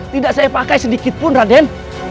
tidak saya pakai sedikit pun raden